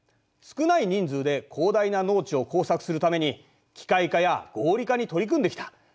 少ない人数で広大な農地を耕作するために機械化や合理化に取り組んできた。